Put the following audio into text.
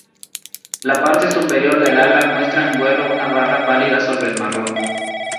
La parte superior del ala muestra en vuelo una barra pálida sobre el marrón.